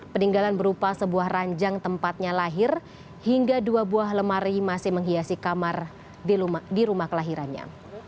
peninggalan berupa sebuah ranjang tempatnya lahir hingga dua buah lemari masih menghiasi kamar di rumah kelahirannya